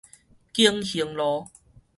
景興路